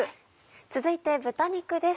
続いて豚肉です。